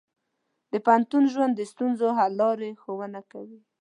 د پوهنتون ژوند د ستونزو حل لارې ښوونه کوي.